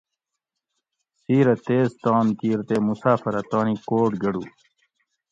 سِیرہ تیز تان کِیر تے مسافرہ تانی کوٹ گڑو